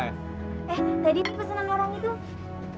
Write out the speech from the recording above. eh tadi pesanan orang itu